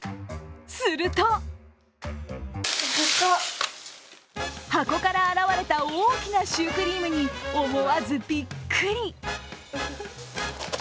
すると箱から現れた大きなシュークリームに思わずびっくり！